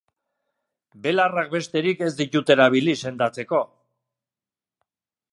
Belarrak besterik ez ditut erabili sendatzeko.